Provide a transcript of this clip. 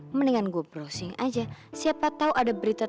mendingan gue browsing aja